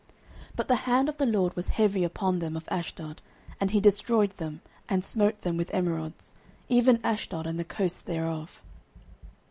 09:005:006 But the hand of the LORD was heavy upon them of Ashdod, and he destroyed them, and smote them with emerods, even Ashdod and the coasts thereof.